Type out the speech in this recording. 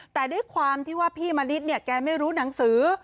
แต่ด้วยความที่ว่าพี่มณิษฐ์เนี่ยแกไม่รู้หนังสือ